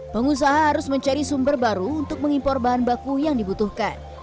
pengusaha harus mencari sumber baru untuk mengimpor bahan baku yang dibutuhkan